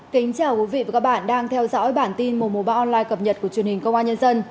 kính chào quý vị và các bạn đang theo dõi bản tin mùa mùa ba online cập nhật của truyền hình công an nhân dân